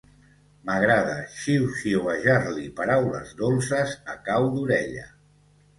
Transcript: M'agrada xiuxiuejar-li paraules dolces a cau d'orella.